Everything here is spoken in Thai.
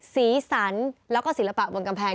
สีสันแล้วก็ศิลปะบนกำแพง